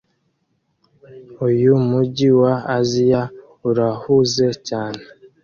Uyu mujyi wa Aziya urahuze cyane